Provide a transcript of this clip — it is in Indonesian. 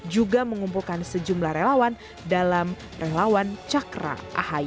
juga mengumpulkan sejumlah relawan dalam relawan cakra ahi